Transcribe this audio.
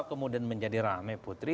kemudian menjadi rame putri